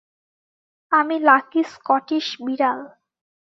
আমি lucky Scottish বিড়াল।